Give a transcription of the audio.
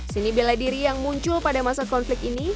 seni bela diri yang muncul pada masa konflik ini